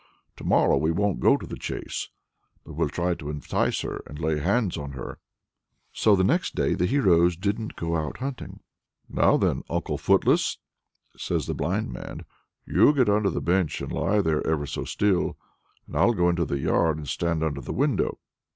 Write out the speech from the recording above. To morrow we won't go to the chase, but we'll try to entice her and lay hands upon her!" So next morning the heroes didn't go out hunting. "Now then, Uncle Footless!" says the blind man, "you get under the bench, and lie there ever so still, and I'll go into the yard and stand under the window.